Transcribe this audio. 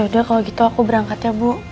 udah kalau gitu aku berangkat ya bu